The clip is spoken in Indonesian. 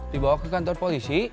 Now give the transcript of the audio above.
dibawa ke kantor polisi